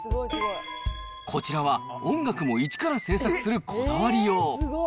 こちらは音楽も一から制作するこだわりよう。